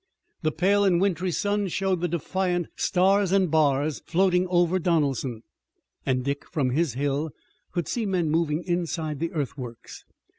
The pale and wintry sun showed the defiant Stars and Bars floating over Donelson, and Dick from his hill could see men moving inside the earthworks.